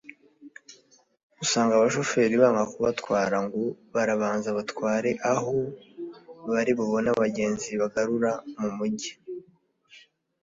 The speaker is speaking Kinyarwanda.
usanga abashoferi banga kubatwara ngo barabanza batware aho bari bubone abagenzi bagarura mu mujyi